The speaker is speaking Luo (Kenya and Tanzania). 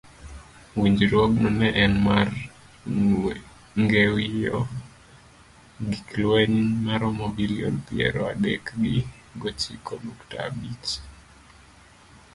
Winjruogno ne en mar ngiewo gik lweny maromo bilion piero adek gochiko nukta abich.